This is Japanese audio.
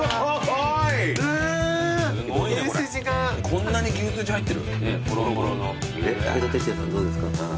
こんなに牛すじ入ってる？